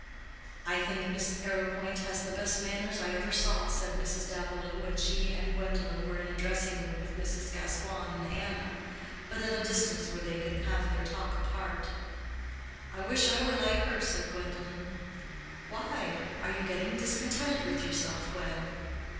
"I think Miss Arrowpoint has the best manners I ever saw," said Mrs. Davilow, when she and Gwendolen were in a dressing room with Mrs. Gascoigne and Anna, but at a distance where they could have their talk apart. "I wish I were like her," said Gwendolen. "Why? Are you getting discontented with yourself, Gwen?"